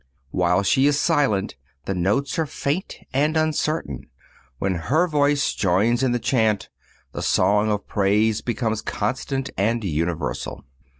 While she is silent, the notes are faint and uncertain; when her voice joins in the chant, the song of praise becomes constant and universal.